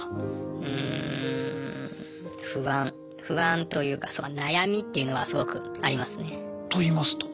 うん不安不安というか悩みっていうのはすごくありますね。といいますと？